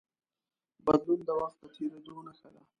بدلون د وخت د تېرېدو نښه ده.